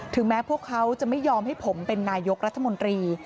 แม้พวกเขาจะไม่ยอมให้ผมเป็นนายกรัฐมนตรี